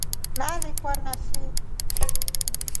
Nyaalikwa na fii.